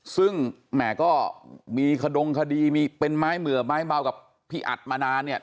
ซึ่งแหม่ก็มีขดงคดีมีเป็นไม้เหมือไม้เบากับพี่อัดมานานเนี่ย